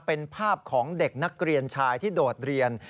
เป็นภาพของเด็กนักเรียนชายที่โดดเรียน